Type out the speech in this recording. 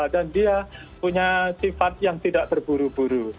dan dia punya sifat yang tidak terburu buru